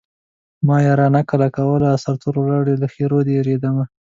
ما يارانه کله کوله سرتور ولاړ وې له ښېرو دې وېرېدمه